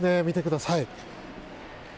見てください。